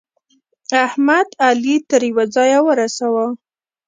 احمد؛ علي تر يوه ځايه ورساوو.